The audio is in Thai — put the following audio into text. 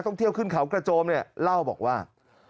เที่ยวขึ้นเขากระโจมเนี่ยเล่าบอกว่า